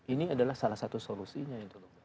ini adalah salah satu solusinya itu